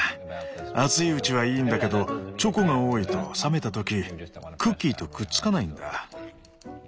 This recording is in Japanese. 熱いうちはいいんだけどチョコが多いと冷めた時クッキーとくっつかないんだ。